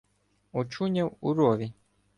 Очуняв у рові.